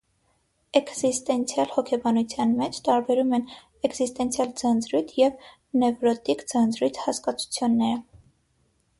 Էքզիստենցիալ հոգեբանության մեջ տարբերում են «էքզիստենցիալ ձանձրույթ» և «նևրոտիկ ձանձրույթ» հասկացությունները։